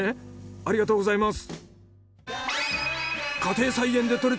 ありがとうございます！